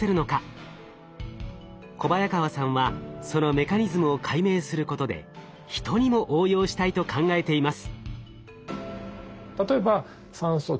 小早川さんはそのメカニズムを解明することでヒトにも応用したいと考えています。